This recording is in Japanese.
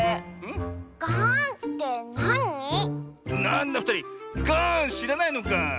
なんだふたりガーンしらないのかあ。